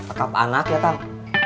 kakak anak ya tang